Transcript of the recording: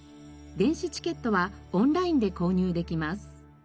電子チケットはオンラインで購入できます。